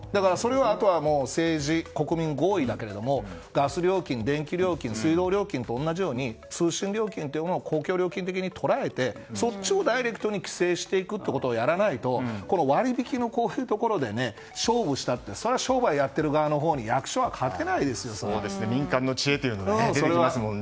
あとは、政治、国民合意だけどもガス料金、電気料金、水道料金と同じように通信料金というものを公共料金的に捉えて、そっちをダイレクトに規制していくということをやらないと割引のこういうところで勝負したってそりゃ商売やってる側に役所は民間の知恵が出てきますもんね。